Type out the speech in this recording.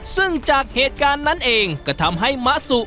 ซึ่งจากเหตุการณ์นั้นเองก็ทำให้มะสุ